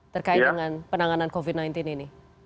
terkait dengan penanganan covid sembilan belas ini